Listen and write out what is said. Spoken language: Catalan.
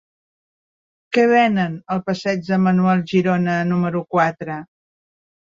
Què venen al passeig de Manuel Girona número quatre?